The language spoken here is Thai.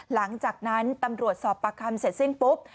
หลังจากนั้นตำรวจสอบประคำเสร็จสิ้นปุ๊บ